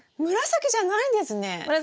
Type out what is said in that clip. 紫じゃないんです。